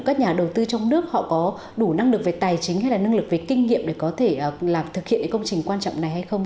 các nhà đầu tư trong nước họ có đủ năng lực về tài chính hay là năng lực về kinh nghiệm để có thể thực hiện công trình quan trọng này hay không